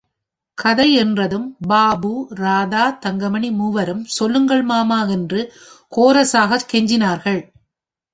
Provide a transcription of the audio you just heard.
கதை என்றதும் பாபு, ராதா, தங்கமணி மூவரும் சொல்லுங்கள் மாமா என்று கோரசாகக் கெஞ்சினார்கள்.